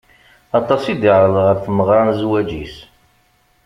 Aṭas i d-iɛreḍ ɣer tmeɣra n zzwaǧ-is.